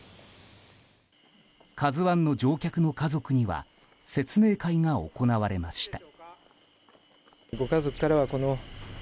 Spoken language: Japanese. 「ＫＡＺＵ１」の乗客の家族には説明会が行われました。